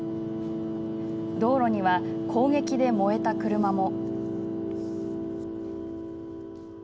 道路には、攻撃で燃えた車も。